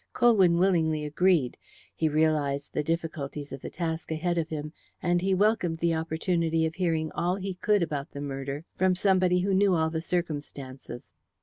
Colwyn willingly agreed. He realized the difficulties of the task ahead of him, and he welcomed the opportunity of hearing all he could about the murder from somebody who knew all the circumstances.